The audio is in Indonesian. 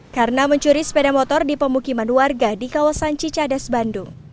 karena mencuri sepeda motor di pemukiman warga di kawasan cicadas bandung